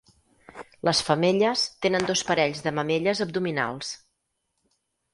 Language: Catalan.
Les femelles tenen dos parells de mamelles abdominals.